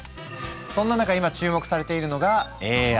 そんな中今注目されているのがＡＩ。